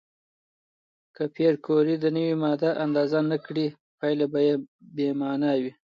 که پېیر کوري د نوې ماده اندازه نه کړي، پایله به بې معنا وي.